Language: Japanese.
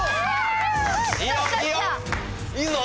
いいぞ！